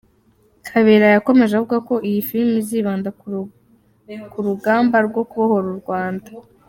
Kabera yakomeje avuga ko iyi filimi izibanda ku rugamba rwo kubohora u Rwanda.